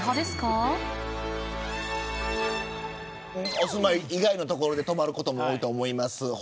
お住まい以外の所で泊まることも多いと思います。